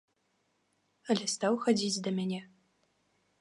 Але стаў хадзіць да мяне.